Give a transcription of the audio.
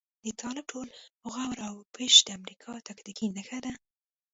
د طالب ټول غور او پش د امريکا تاکتيکي نښه ده.